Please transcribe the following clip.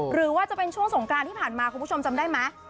หรือว่าจะเป็นช่วงสงกรานที่ผ่านมาคุณผู้ชมจำได้ไหม